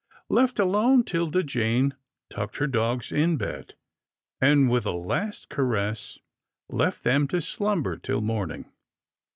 Left alone, 'Tilda Jane tucked her dogs in bed, and, with a last caress, left them to slumber till morning.